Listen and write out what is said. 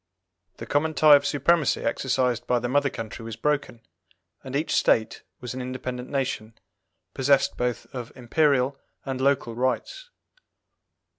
The common tie of supremacy exercised by the mother country was broken, and each State was an independent nation, possessed both of Imperial and Local rights.